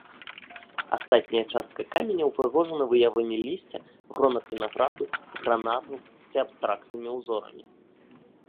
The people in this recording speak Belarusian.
Астатняя частка каменя ўпрыгожана выявамі лісця, гронак вінаграду, гранатаў ці абстрактнымі ўзорамі.